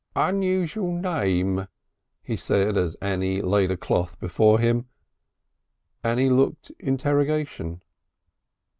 "Unusual name," he said as Annie laid a cloth before him. Annie looked interrogation.